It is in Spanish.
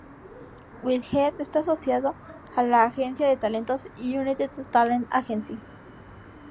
Whitehead está asociado a la agencia de talentos United Talent Agency.